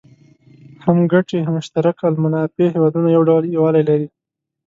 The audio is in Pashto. هم ګټي مشترک المنافع هېوادونه یو ډول یووالی لري.